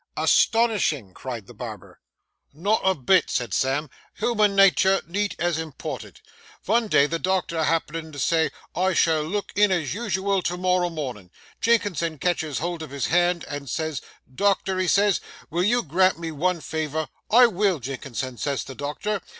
'Astonishing!' cried the barber. 'Not a bit,' said Sam, 'human natur' neat as imported. Vun day the doctor happenin' to say, "I shall look in as usual to morrow mornin'," Jinkinson catches hold of his hand and says, "Doctor," he says, "will you grant me one favour?" "I will, Jinkinson," says the doctor.